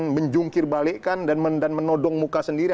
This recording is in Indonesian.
dia harus menjungkir balikkan dan menodong muka sendiri